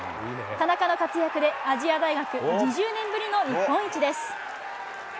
田中の活躍で、亜細亜大学、２０年ぶりの日本一です。